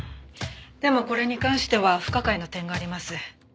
でもこれに関しては不可解な点があります。